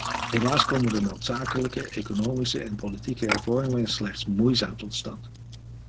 Helaas komen de noodzakelijke, economische en politieke hervormingen slechts moeizaam tot stand.